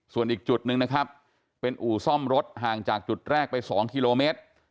ส่วนอีกจุดหนึ่งนะครับเป็นอู่ซ่อมรถห่างจากจุดแรกไป๒กิโลเมตร